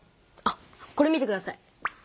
あっこれ見てください。